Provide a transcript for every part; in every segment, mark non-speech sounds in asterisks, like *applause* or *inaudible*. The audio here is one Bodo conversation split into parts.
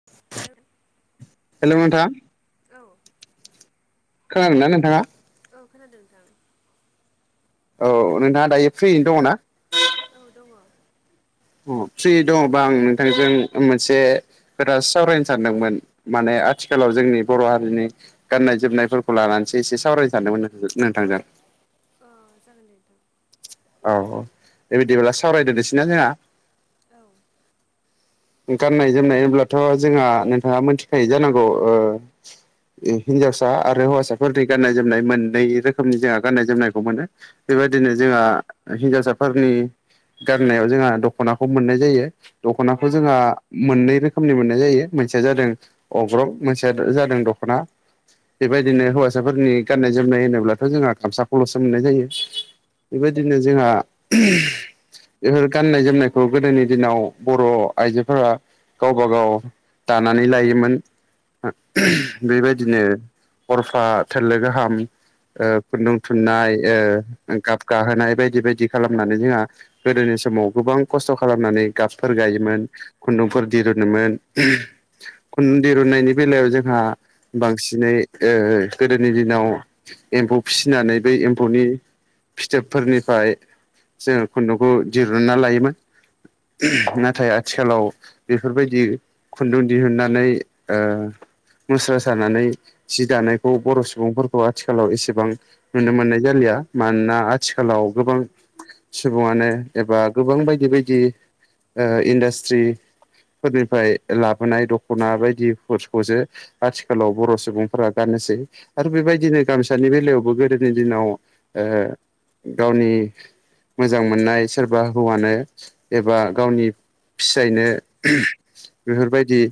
*inaudible* हेलौ हेल' नोंथां औ खोनादोंना नोंथाङा औ खोनादों नोंथां। औ नोंथाङा दायो फ्रियैनो दङ' ना? औ दङ। ओ फ्रि दङबा आं नोंथांजों मोनसे खोथासो सावरायनो सानदोंमोन माने आथिखालाव जोंनि बर' हारिनि गाननाय जोमनायफोरखौ लानानैसो एसे सावरायनो सानदोंमोन नोंथांजों ओ जागोन दे नोंथां। औ औ बेबायदिब्ला सावरायदो सैना जोंहा? औ। गाननाय जोमनाय होनब्लाथ' जोंहा नोंथाङा मोनथिखायो जानांगौ ओ हिन्जावसा आरो हौवासाफोरनि गाननाय जोमनाय मोननै रोखोमनि जोंहा गाननाय जोमनायखौ मोनो। बेबायदिनो उम जोंहा हिन्जावसाफोरनि गाननायाव जोंहा दख'नाखौ मोननाय जायो दख'नाखौ उम जोंहा मोननै रोखोमनि मोननाय जायो मोनसेया जादों अग्रं मोनसेया जादों दख'ना बेबायदिनो हौवासाफोरनि गाननाय जोमनाय होनोब्लाथ' जोंहा गामसाखौल'सो मोननाय जायो। बेबायदिनो जोंहा बेफोर गाननाय जोमनायखौ गोदोनि दिनाव बर' आइजोफोरा गावबा गाव दानानै लायोमोन बेबायदिनो हरफा थोलो गाहाम ओ खुन्दुं थुननाय ओ गाब गाहोनाय बायदि बायदि खालामनानै जोंहा गोदोनि समाव गोबां खस्थ' खालामनानै गाबफोर गायोमोन खुन्दुंफोर दिरुनोमोन खुन्दुं दिरुननायनि बेलायाव जोंहा बांसिनै ओ गोदोनि दिनाव एम्फौ फिसिनानै बै एम्फौनि फिथोबफोरनिफ्राय जोङो खुन्दुंखौ दिरुनना लायोमोन नाथाय आथिखालाव बेफोरबायदि खुन्दुं दिहुननानै ओ मुस्रा सानानै जि दानायखौ बर' सुबुंफोरखौ आथिखालाव एसेबां नुनो मोननाय जालिया मानोना आथिखालाव गोबां सुबुङानो एबा गोबां बायदि बायदि ओ इन्डास्ट्रि फोरनिफ्राय लाबोनाय दख'ना बायदिफोरखौसो आथिखालाव बर' सुबुंफोरा गाननोसै आरो बेबायदिनो गामसानि बेलायावबो गोदोनि दिनाव ओ गावनि मोजां मोननाय सोरबा हौवानो एबा गावनि फिसायनो बेफोरबायदि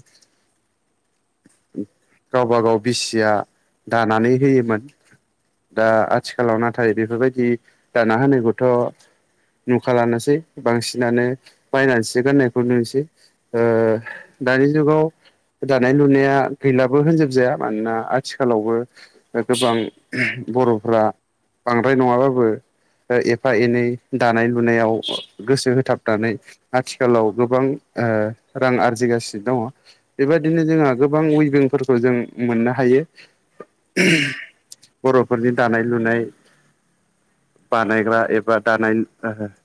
गावबा गाव बिसिया दानानै होयोमोन। दा आथिखालाव नाथाय बेफोरबायदि दाना होनायखौथ' नुखालानोसै बांसिनानो बायनानैसो गाननायखौ नुयोसै। ओ दानि जुगाव दानाय लुनाया या गैलाबो होनजोबजाया मानोना आथिखालावबो गोबां बर'फ्रा बांद्राय नङाबाबो एफा एनै दानाय लुनायाव गोसो होथाबनानै आथिखालाव गोबां ओ रां आरजिगासिनो दङ बेबिदिनो जोंहा गोबां उइभिंफोरखौ जों मोननो हायो। बर'फोरनि दानाय लुनाय बानायग्रा एबा दानाय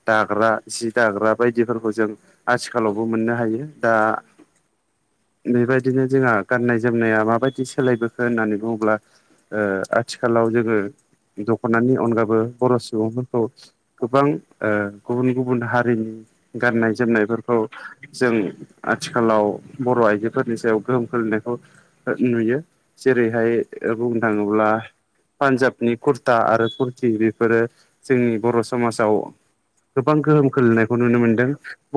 दाग्रा जि दाग्रा बायदिफोरखौ जों आथिखालावबो मोननो हायो दा उम बेबायदिनो जोंहा गाननाय जोमनाया माबायदि सोलायबोखो होननानै बुङोब्ला ओ आथिखालाव जोङो दख'नानि अनगाबो बर' सुबुंफोरखौ गोबां ओ गुबुन गुबुन हारिनि गाननाय जोमनायफोरखौ जों आथिखालाव बर' आइजोफोरनि सायाव गोहोम फोरनायखौ नुयो जेरैहाय उम बुंनो थाङोब्ला पान्जाबनि कुरता आरो कुरथि बेफोरो जोंनि बर' समाजाव गोबां गोहोम खोल्लैनायखौ नुनो मोनदों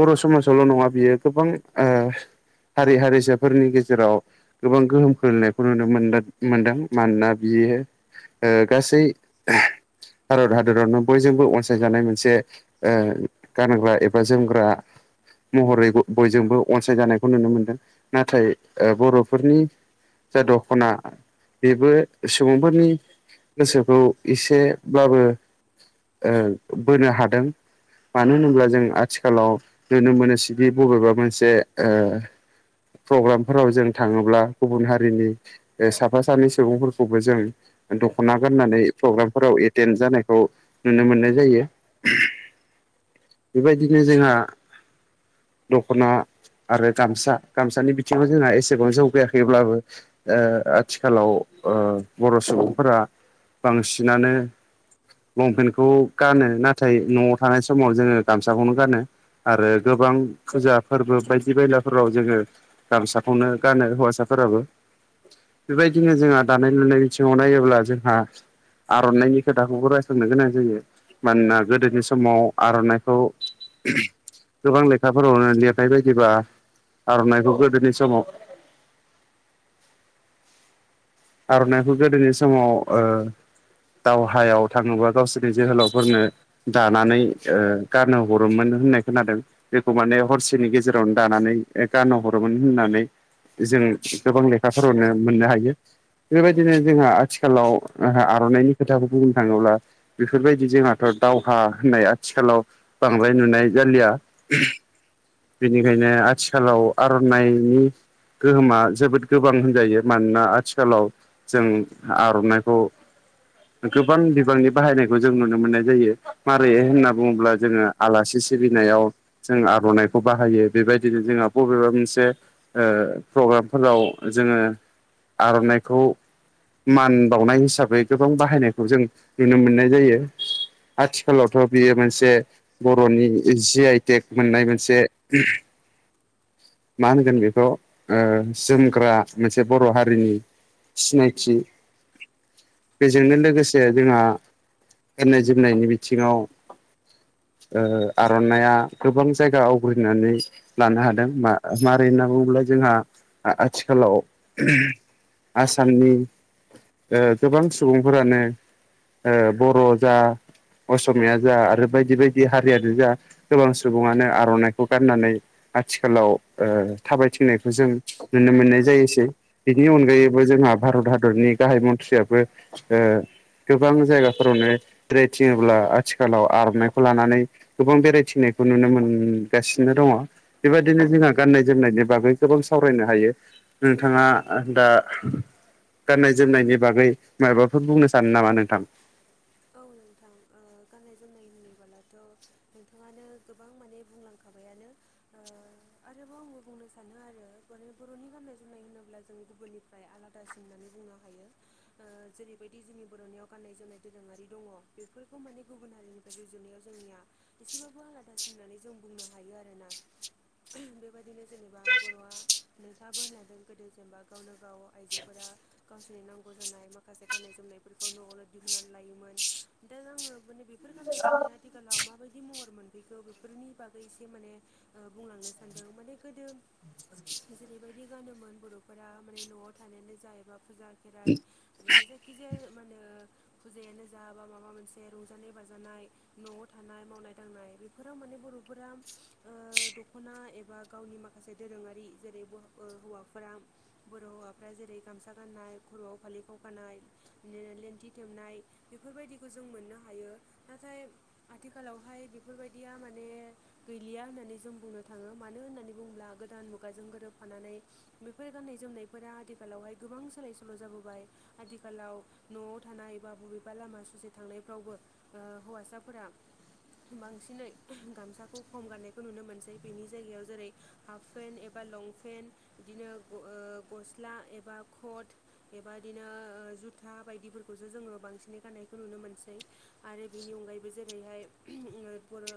बर' समाजावल' नङा बियो गोबां ओ हारि हारिसाफोरनि गेजेराव जेराव गोबां गोहोम खोलैनायखौ नुनो मोन मोनदों मानोना बियो ओ गासै भारत हादरावनो बयजोंबो अनसायजानाय मोनसे गानग्रा एबा जोमग्रा महरै बयजोंबो अनसायजानायखौ नुनो मोनदों नाथाय बर'फोरनि जा दख'ना बेबो सुबुंफोरनि गोसोखौ एसेब्लाबो ओ बोनो हादों मानो होनोब्ला जों आथिखालाव नुनो मोनो सिदि बबेबा मोनसे ओ प्रग्रामफोराव जों थाङोब्ला गुबुन हारिनि साफा सानै सुबुंफोरखौबो जों दख'ना गाननानै प्रग्रामफोराव एटेन् जानायखौ नुनो मोननाय जायो। बेबायदिनो जोंहा दख'ना आरो गामसा गामसानि बिथिङाव जोंहा एसेबां जौगायाखैब्लाबो ओ आथिखालाव बर' सुबुंफोरा बांसिनानो लंपेन्टखौ गानो नाथाय न'आव थानाय समाव जोङो गामसाखौनो गानो आरो गोबां फुजा फोरबो बायदि बेायलाफोराव जोङो गामसाखौनो गानो हौवासाफोराबो बेबायदिनो जोंहा दानाय लुनाय बिथिङाव नायोब्ला जोंहा आर'नाइनि खोथाखौबो रायस्रनो गोनां जायो मानोना गोदोनि समाव आर'नाइ खौ गोबां लेखाफोरावनो लिरनाय बायदिबा आर'नाइखौ गोदोनि समाव आर'नाइखौ गोदोनि समाव ओ दावहायाव थाङोबा गावसोरनि जोहोलावफोरनो दानानै गारनो हरोमोन होननाय खोनादों। बेखौ माने हरसेनि गेजेरावनो दानानै गान हरोमोन होननानै जों गोबां लेखाफोरावनो मोननो हायो। बेबायदिनो जोंहा आथिखालाव आर'नाइनि खोथाखौ बुंनो थाङोब्ला बेफोरबायदि जोंहाथ' दावहा होननाय आथिखालाव बांद्राय नुनाय जालिया। बेनिखायनो आथिखालाव आर'नाइनि गोहोमा जोबोद गोबां होनजायो मानोना आथिखालाव जों आर'नाइखौ गोबां बिबांनि बाहायनायखौ जों नुनो मोननाय जायो मारै होनना बुङोब्ला जोङो आलासि सिबिनायाव जों आर'नाइखौ बाहायो बेबायदिनो जोंहा बबेबा मोनसे ओ प्रग्रामफोराव जोङो आर'नाइखौ मान बावनाय हिसाबै गोबां बाहायनायखौ जों नुनो मोननाय जायो। आथिखालावथ' बियो मोनसे बर'नि जि आइटेक मोननाय मोनसे मा होनगोन बेखौ जोमग्रा मोनसे बर' हारिनि सिनायथिि बेजोंनो लोगोसे जोंहा गाननाय जोमनायनि बिथिङाव आर'नाइा गोबां जायगा आवग्रिनानै लानो हादों मारै होनना बुङोब्ला जोंहा आथिखालाव आसामनि गोबां सुबुंफोरानो ओ बर' जा अस'मिया जा आरो बायदि बायदि हारियानो जा गोबां सुबुङानो आर'नाइखौ गाननानै आथिखालाव थाबायथिंनायखौ जों नुनो मोननाय जायोसै बिनि औ अनगायैबो जोंहा भारत हादरनि गाहाय मन्थ्रियाबो गोबां जायगाफोरावनो ् *unintelligible* थङोब्ला आथिखालाव आर'नाइखौ लानानै गोबां बेरायथिनायखौ नुनो मोनगासिनो दङ बेबायाददिनो जोंहा गाननाय जोमनायनि बागै गोबां सावरायनो हायो नोंथाङा दा गाननाय जोमनायनि बागै माबाफोर बुंनो सानो नामा नोंथां औ नोंथां गाननाय जोमनाय लुयोबोलाथ' नोंथाङानो गोबां माने बुंलांखाबायानो आरोबाव आंबो बुंनो सानो आरो माने बर'नि गाननाय जोमनाय होनोब्ला जों गुबुननि आलादासिन होननानै बुंनो हायो जेरैबायदि जोंनि बर'नियाव गाननाय जोमनाय दोरोङारि दङ बेफोरखौ माने गुबुन हारिनिफ्राय रुजुनायाव जोंनिया एसेबाबो आलादासिन होननानै जों बुंनो हायो आरोोना बेबायदिनो जेनेबा बर'आ नोंसाबो होनलांदों गोदो जेनेबा गावनो गाव आइजोफोरा गावसोरनि नांगौ जानाय माखासे गाननाय जोमनायफोरखौ न'आवनो होननानै लायोमोन दा आङो माने बेफोर गान्नाय जोमनाया आथिखालाव माबायदि महर मोनफैगौ बेफोरनि बागै एसे माने बुंलांनो सानदों माने गोदो जेरैबायदि गानोमोन बर'फोरा माने न'आव थानायानो जायोबा फुजा खेराइ माने जायखिजाया मान होने फुजायानो जा बा माबा मोनसे रंजानाय बाजानाय न'आव थानाय मावनाय दांनाय बेफोराव माने बर'फोरा दख'ना एबा गावनि माखासे माखासे दोरोङारि जेरै हौवाफोरा बर' हौवाफ्रा जेरै गामसा गाननाय खर'आव फालिफाव गानाय लेन्थि खेबनाय बेफोरबायदिखौ जों मोननो हायो नाथाय आथिखालावहाय बेफोरबायदिया माने गैलिया होननानै जों बुंनो थाङो मानो होननानै बुङोब्ला गोदान मुगाजों गोरोबफानानै बेफोर गाननाय जोमनायफोरा आथिखालावहाय गोबां सोलाय सोल' जाबोबाय आथिखालाव न' थानाय ए बा बबेबा लामा ससे थांनायफ्रावबो हौवासाफोरा बांसिनै गामसाखौ खम गारनायखौ नुनो मोनसै बेनि जायगायाव जेरै हाफ पेन्ट एबा लंपेन्ट बिदिनो गस्ला एबा कट बेबदिनो जुथा बायदिफोरखौ खौसो जोङो बांसिनै गाननायखौ नुनो मोनसै आरो बेनि अनगायैबो जेरैहाय बर'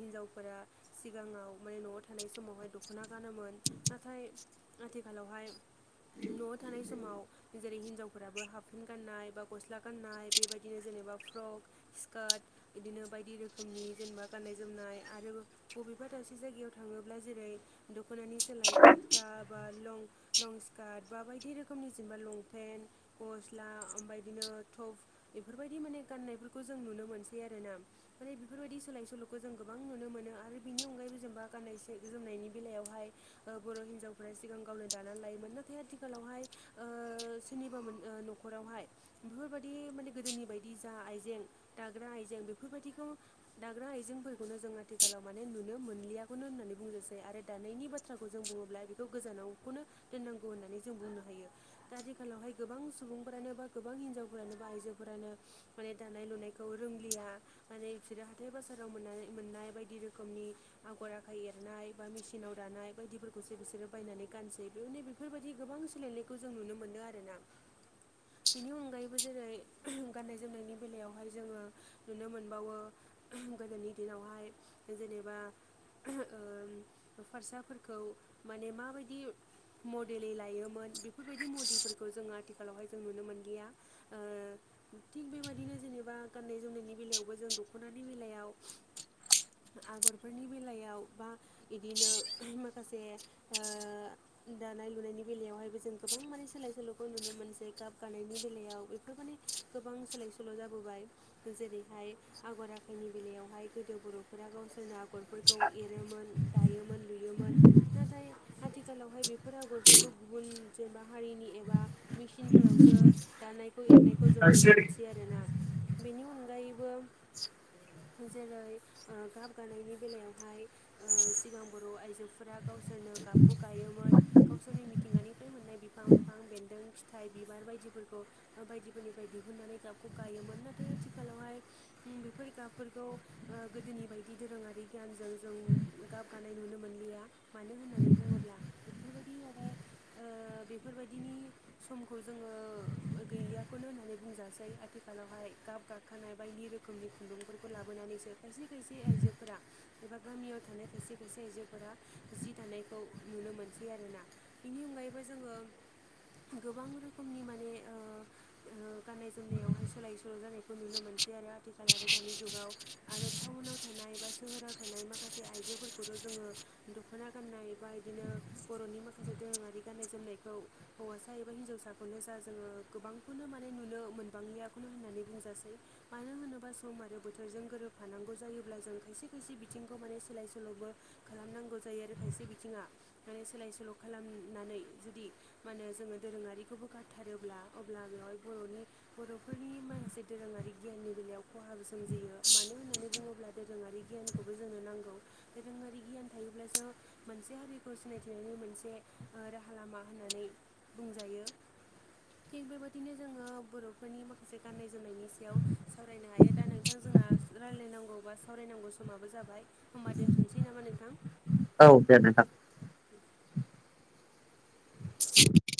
हिनजावफोरा सिगाङाव माने न'आव थानाय समावहाय दख'ना गानोमोन नाथाय आथिखालावहाय न'आव थानाय समाव जेरै हिनजावफोराबो हाफन गाननाय ा गस्ला गाननाय बेबायदिनो जेनेबा फ्रक स्कार्ट बिदिनो बायदि रोखोमनि जेनेबा गाननाय जोमनाय आरो बबेबा दासे जायगायाव थाङोब्ला जेरै दख'नानि सोलाय कुर्था बा लं लं स्कार्ट बा बायदि रोखोमनि जेनेबा लंपेन्ट गस्ला ओमफ्राय बिदिनो टप बेफोरबायदि माने गाननायफोरखौ जों नुनो मोनसै आरो ना ओरै बेफोरबायदि सोलाय सोल'खौ जों गोबां नुनो मोनो आरो बिनि अनगायैबो जेनबा गाननाय जोमनायनि बेलायावहाय ओ बर' हिन्जावफोरा सिगां गावनो दानानै लायोमोन नाथाय आथिखालावहाय ओ सोरनिबा मोन न' ओ न'खरावहाय बेफोरबायदि माने गोदोनि बायदि जा आइजें दाग्रा आइजें बेफोरबायदिखौ दाग्रा आइजेंफोरखौनो जों आथिखालाव माने नुनो मोनलियखौनो होननानै बुंनोसै आरो दानायनि बा बाथ्राखौ जों बुङोब्ला बेखौ गोजानावखौनो दोननांगौ होननानै जों बुंनो हायो दा आथिखालावहाय गोबां सुबुंफोरानो बा गोबां हिनजावफोरानो बा आइजोफोरानो माने दानाय लुनायखौ रोंलिया माने बिसोरो हाथथाय बाजाराव मोननाय बायदि रोखोमनि आगर आखाइ एरनाय बा मेसििनाव दानाय बायदिफोरखौसो बिसोरो बायनानै गानसै बेयावनो बेफोरबायदि गोबां सोलायनायखौ जों नुनो मोनदों आरोना बेनि अनगायैबो जेरै गाननाय जोमनायनि बेलायावहाय जोङो नुनो मोनबावो उम गोदोनि दिनावहाय जेनेबा ओ फारसाफोरखौ माने माबायदि मडेलै लायोमोन बेफोरबायदि मडेलफोरखौ जों आथिखालावहाय जों नुनो मोनलिया ओ थिग बेबायदिनो जेनेबा गाननाय जोमनायनि बेलायावबो जों दख'नानि बेलायाव आगरफोरनि बेलायाव बा बिदिनो माखासे ओ दानाय लुनायनि बेलायावहायबो जों गोबां माने सोलाय सोल'खौ नुनो मोनसै गाब गानायनि बेलायाव बेफोर माने गोबां सोलाय सोल' जाबोबाय जेरैहाय आगर आखाइनि बेलायावहाय गोदो बर'फोरा गावसोरनो आ आगरफोरखौ एरोमोन दायोमोन लुयोमोन नाथाय आथिखालावहाय बेफोर आगादफोरखौ गुबुन जेनबा हारिनि एबा मि फोरावसो दानायखौ एरनायखौ जों नुनो मोनसै आरोना बेनि अनगायैबो जेरै ओ गाबगानायनि बेलायावहाय ओ सिगां बर' आइजोफोरा गावसोरनो गाबखौ गायोमोन गावसोरनि मिथिंगानिफ्राय मोननाय बिफां लाइफां बेन्दों फिथाइ बिबार बायदिफोरखौ बायदिफोरनिफ्राय दिहुननानै गाबखौ गायोमोन नाथाय आथिखालावहाय उम बेफोर गाबफोरखौ ओ गोदोनि बायदि दोरोङारि गियानजों जों गाबगानाय नुनो मोनलिया मानो होननानै बुङोब्ला बेफोरबायदि माने ओ बेफोरबायदिनि समखौ जोङो गैलियाखौनो होननानै बुंजासै आथिखालावहाय गाब गाब ओंखारानाय बायदि रोखोमनि खुन्दुंफोरखौ लाबोनानैसो खायसे खायसे आइजोफोरा एबा गामियाव थानाय खायसे खायसे आइजोफोरा जि दानायखौ नुनो मोनसै आरोना बिनि अनगायैबो जोङो गोबां रोखोमनि माने ओ ओ गाननाय जोमनायावहाय सोलाय सोल' जानायखौ नुनो मोनसै आरो आथिखाल आरो दानि जुगाव आरो टाउनाव थानाय बा सोहोराव थानाय माखासे आइजोफोरखौथ' जोङो द दख'ना गाननाय बा बिदिनो बर'नि माखासे दोरोङारि गाननाय जोमनायखौ हौवासा एबा हिनजावसाखौनो जा जोङो गोबांखौनो माने नुनो मोनबांलियाखौनो होननानै बुंजासै मानो होनोबा सम आरो बोथोरजों गोरोबफानांगौ जायोब्ला जों खायसे खायसे बिथिंखौ माने सोलाय सोल'बो खालामनांगौ जायो आरो खायसे बिथिङा माने सोलाय सोल' खालामनानै जुदि मा होनो दोरोङारिखौबो गारथारोब्ला अब्ला बेवहाय बर'नि बर'फोरनि माखासे दोरोङारि गियाननि बेलायाव खहाबो सोमजियो मानो होन्नानै बुङोब्ला दोरोङारि गियानखौबो जोंनो नांगौ दोरोङारि गियान थायोब्लासो मोनसे हारिखौ सिनायथिनायनि मोनसे ओ राहा लामा होननानै बुंजायो थिग बेबायदिनो जोङो बर'फोरनि माखासे गाननाय जोमनायनि सायाव सावरायनो हायो दा नोंथां जोंना रायलायनांगौ बा सावरायनांगौ समाबो जाबाय होनोमबा दोनथनोसै नामा नोंथां औ दे नोंथां *unintelligible*